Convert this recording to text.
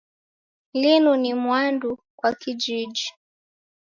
Linu ni mwandu kwa kijiji